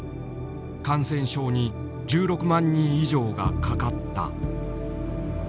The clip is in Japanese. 感染症に１６万人以上がかかった。